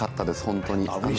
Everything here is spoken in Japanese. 本当に。